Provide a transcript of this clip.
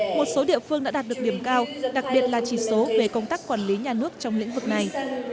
một số địa phương đã đạt được điểm cao đặc biệt là chỉ số về công tác quản lý nhà nước trong lĩnh vực này